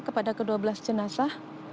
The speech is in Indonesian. kepada kedua belas jenazah